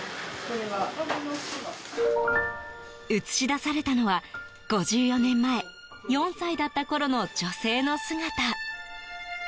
映し出されたのは、５４年前４歳だったころの女性の姿。